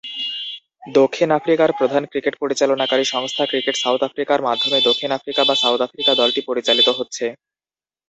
দক্ষিণ আফ্রিকার প্রধান ক্রিকেট পরিচালনাকারী সংস্থা ক্রিকেট সাউথ আফ্রিকার মাধ্যমে দক্ষিণ আফ্রিকা বা সাউথ আফ্রিকা দলটি পরিচালিত হচ্ছে।